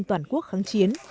toàn quốc kháng chiến